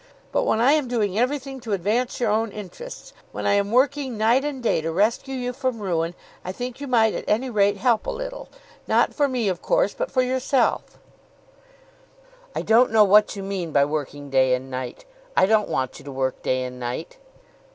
But when I am doing everything to advance your own interests, when I am working night and day to rescue you from ruin, I think you might at any rate help a little, not for me of course, but for yourself." "I don't know what you mean by working day and night. I don't want you to work day and night."